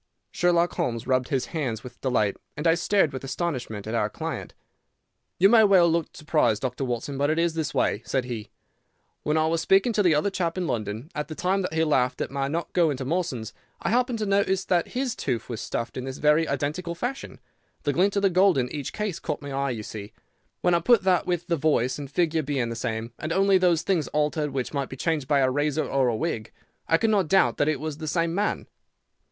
Sherlock Holmes rubbed his hands with delight, and I stared with astonishment at our client. "You may well look surprised, Dr. Watson; but it is this way," said he: "When I was speaking to the other chap in London, at the time that he laughed at my not going to Mawson's, I happened to notice that his tooth was stuffed in this very identical fashion. The glint of the gold in each case caught my eye, you see. When I put that with the voice and figure being the same, and only those things altered which might be changed by a razor or a wig, I could not doubt that it was the same man.